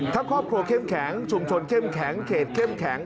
ถ้าครอบครัวเข้มแข็งชุมชนเข้มแข็งเขตเข้มแข็ง